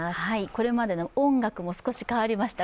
これまでの音楽も少し変わりました。